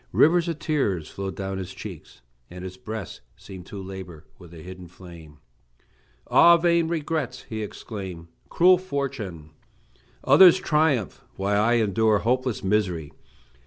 Rivers of tears flowed down his cheeks, and his breast seemed to labor with a hidden flame. "Ah, vain regrets!" he exclaimed; "cruel fortune! others triumph, while I endure hopeless misery!